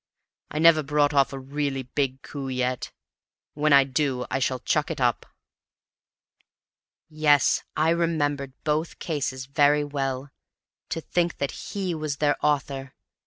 I've never brought off a really big coup yet; when I do I shall chuck it up." Yes, I remembered both cases very well. To think that he was their author!